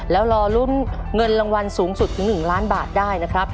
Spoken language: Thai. แล้วรอลุ้นเงินรางวัลสูงสุดถึง๑ล้านบาทได้นะครับ